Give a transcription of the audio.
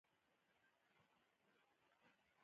• د علم رڼا د ناپوهۍ تیاره ختموي.